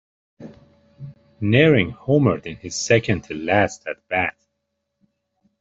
Naehring homered in his second to last at bat.